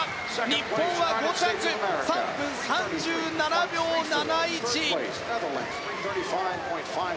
日本は５着で３分３７秒７１。